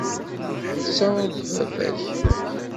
Netta ur d baba-k.